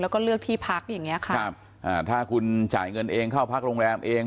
แล้วก็เลือกที่พักอย่างเงี้ค่ะครับอ่าถ้าคุณจ่ายเงินเองเข้าพักโรงแรมเอง